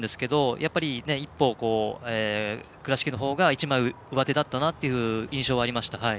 やっぱり倉敷の方が一枚上手だったなという印象はありました。